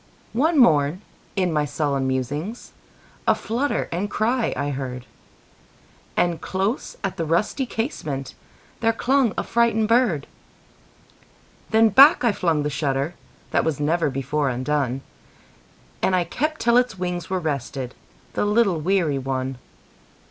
One morn, in my sullen musings,A flutter and cry I heard; And close at the rusty casementThere clung a frightened bird. Then back I flung the shutterThat was never before undone, And I kept till its wings were restedThe little weary one.